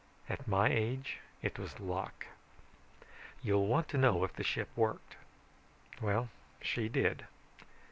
At my age it was luck. "You'll want to know if the ship worked. Well, she did.